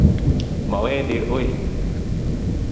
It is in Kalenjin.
mowendii ooi